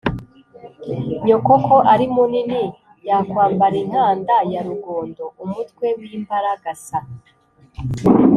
Nyoko ko ari munini yakwambara inkanda ya Rugondo ?-Umutwe w'imbaragasa.